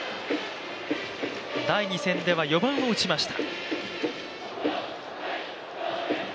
第２戦では４番を打ちました。